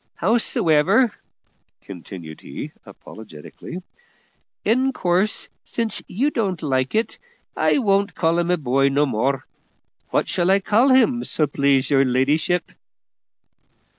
Hows'ever," continued he apologetically, "in course, since you don't like it, I won't call him a boy no more. What shall I call him, so please your ladyship?"